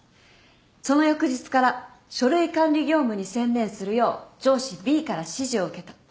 その翌日から書類管理業務に専念するよう上司Ｂから指示を受けた。